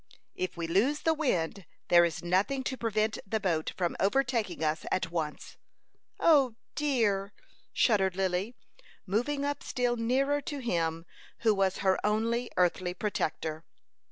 "If we lose the wind there is nothing to prevent the boat from overtaking us at once." "O, dear!" shuddered Lily, moving up still nearer to him who was her only earthly protector.